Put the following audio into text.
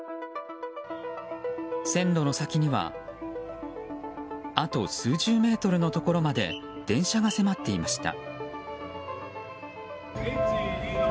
線路の先にはあと数十メートルのところまで電車が迫っていました。